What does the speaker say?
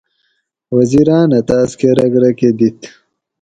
وزیراۤن اۤ تاۤس کہ رۤک رکہۤ دِت